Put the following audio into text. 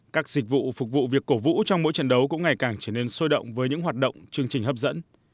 các dịch vụ phục vụ việc cổ vũ trong mỗi trận đấu cũng ngày càng trở nên sôi động với những hoạt động chương trình hấp dẫn